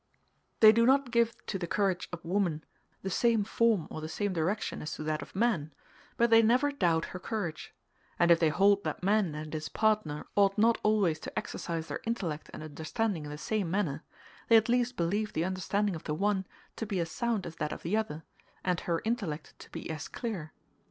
They do not give to the courage of woman the same form or the same direction as to that of man; but they never doubt her courage: and if they hold that man and his partner ought not always to exercise their intellect and understanding in the same manner, they at least believe the understanding of the one to be as sound as that of the other, and her intellect to be as clear.